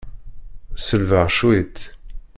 Selbeɣ cwiṭ.